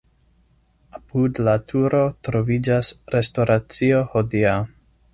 Apud la turo troviĝas restoracio hodiaŭ.